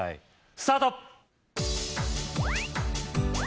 スタート